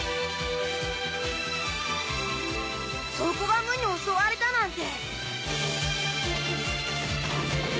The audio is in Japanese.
そこが「無」に襲われたなんて。